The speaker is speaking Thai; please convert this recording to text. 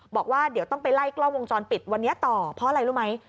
บอกว่าเดี๋ยวต้องไปไล่กล้องวงจรปิดวันนี้ต่อเพราะอะไรรู้ไหม